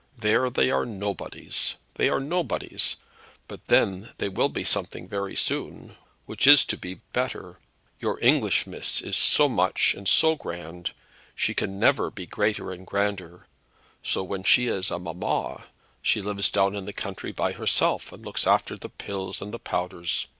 There they are nobodies they are nobodies; but then they will be something very soon, which is to be better. Your English meess is so much and so grand; she never can be greater and grander. So when she is a mamma, she lives down in the country by herself, and looks after de pills and de powders.